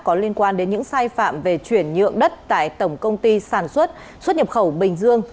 có liên quan đến những sai phạm về chuyển nhượng đất tại tổng công ty sản xuất xuất nhập khẩu bình dương